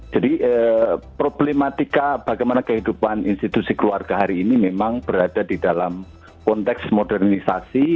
jadi problematika bagaimana kehidupan institusi keluarga hari ini memang berada di dalam konteks modernisasi